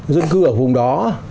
dân cư ở vùng đó